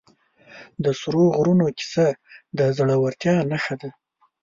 د سرو غرونو کیسه د زړه ورتیا نښه ده.